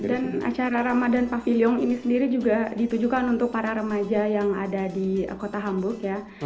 dan acara ramadhan paviliong ini sendiri juga ditujukan untuk para remaja yang ada di kota hamburg ya